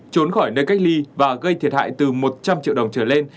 trốn khỏi nơi cách ly và gây thiệt hại từ một trăm linh triệu đồng trở lên